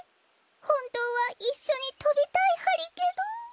ほんとうはいっしょにとびたいハリけど。